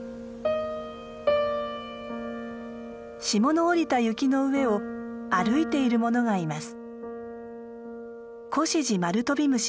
霜の降りた雪の上を歩いているものがいます。